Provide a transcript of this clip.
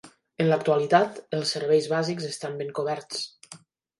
En l'actualitat els serveis bàsics estan ben coberts.